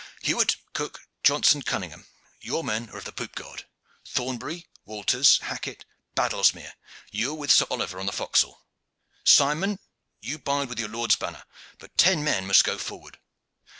Hewett, Cook, Johnson, Cunningham, your men are of the poop guard. Thornbury, Walters, Hackett, Baddlesmere, you are with Sir Oliver on the forecastle. Simon, you bide with your lord's banner; but ten men must go forward."